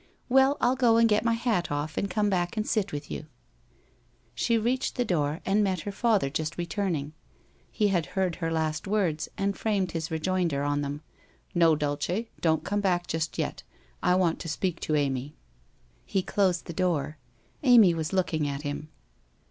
Well, I'll go and get my hat off and come back and sit with you/ She reached the door, and met her father just returning. He had heard her last words and framed his rejoinder on them :* No, Dulce, don't come back just yet. I want to speak to Amy/ He closed the door. Amy was looking at him.